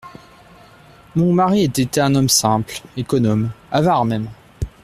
Mon mari était un homme simple… économe… avare même.